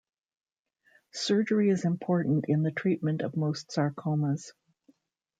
Surgery is important in the treatment of most sarcomas.